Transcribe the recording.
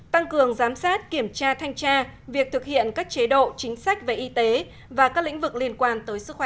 tăng cường giám sát kiểm tra thanh tra việc thực hiện các chế độ chính sách về y tế và các lĩnh vực liên quan tới sức khỏe